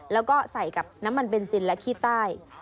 แล้วก็ใส่กับน้ำมันเบนซินและขี้ใต้